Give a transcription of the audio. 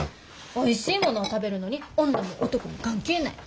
おいしいものを食べるのに女も男も関係ない。